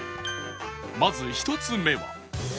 まず１つ目は